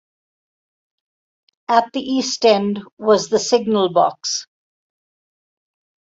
At the east end was the signal box.